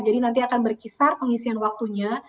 jadi nanti akan berkisar pengisian waktunya